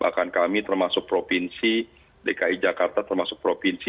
bahkan kami termasuk provinsi dki jakarta termasuk provinsi